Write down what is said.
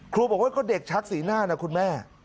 บอกว่าก็เด็กชักสีหน้านะคุณแม่